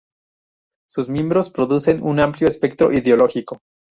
Sus miembros proceden de un amplio espectro ideológico.